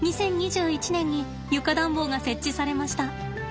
２０２１年に床暖房が設置されました。